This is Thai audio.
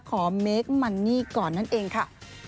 เมคมันนี่ก่อนนั่นเองค่ะ